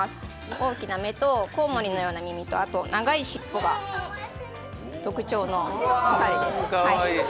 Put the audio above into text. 大きな目とこうもりのような耳と長い尻尾が特徴のお猿です。